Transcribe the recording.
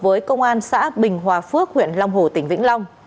với công an xã bình hòa phước huyện long hồ tỉnh vĩnh long